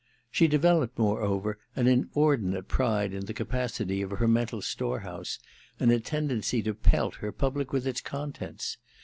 She developed, moreover, an inordinate pride in the capacity of her mental storehouse, and a tendency to pelt her public with its contents.